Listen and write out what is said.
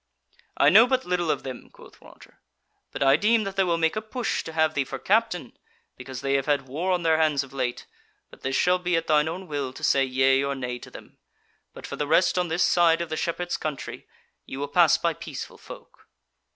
"I know but little of them," quoth Roger, "but I deem that they will make a push to have thee for captain; because they have had war on their hands of late. But this shall be at thine own will to say yea or nay to them. But for the rest on this side of the shepherds' country ye will pass by peaceful folk."